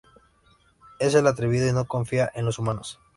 Él es atrevido, y no confía en los humanos.